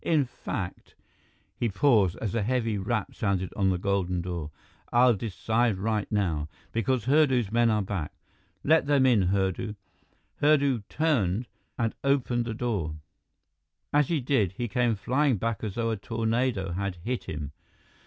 "In fact " he paused as a heavy rap sounded on the golden door "I'll decide right now, because Hurdu's men are back. Let them in, Hurdu." Hurdu turned and opened the door. As he did, he came flying back as though a tornado had hit him.